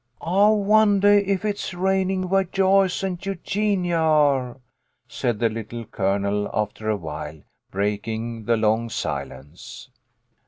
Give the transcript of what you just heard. " I wondah if it's rainin' where Joyce and Eugenia are," said the Little Colonel, after awhile, breaking ihe long silence.